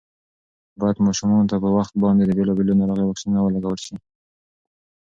باید ماشومانو ته په وخت باندې د بېلابېلو ناروغیو واکسینونه ولګول شي.